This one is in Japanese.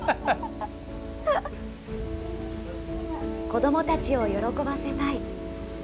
子どもたちを喜ばせたい。